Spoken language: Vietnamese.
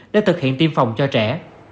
để thực hiện tiêm phòng cho trẻ